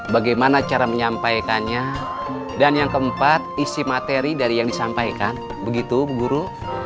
bagaimana cara menyampaikannya dan yang keempat isi materi dari yang disampaikan begitu guru